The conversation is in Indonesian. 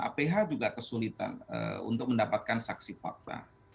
aph juga kesulitan untuk mendapatkan saksi fakta